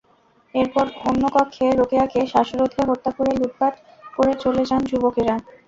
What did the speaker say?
এরপর অন্য কক্ষে রোকেয়াকে শ্বাসরোধে হত্যা করে লুটপাট করে চলে যান যুবকেরা।